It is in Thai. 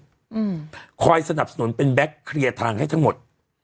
อืมคอยสนับสนุนเป็นแก๊กเคลียร์ทางให้ทั้งหมด